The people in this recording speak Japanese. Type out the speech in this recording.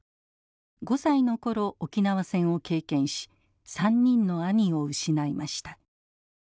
５歳の頃沖縄戦を経験し３人の兄を失いました。